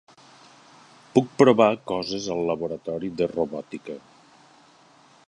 Puc provar coses al laboratori de robòtica.